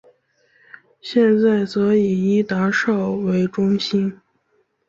现在则以伊达邵为中心。